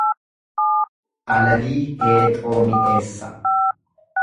Alalii heexoo mi'eessa.